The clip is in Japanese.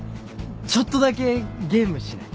ちょっとだけゲームしない？